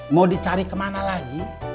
mau dicari kemana lagi